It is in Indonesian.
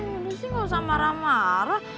ya udah sih gak usah marah marah